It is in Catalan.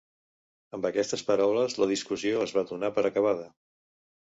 Amb aquestes paraules la discussió es va donar per acabada.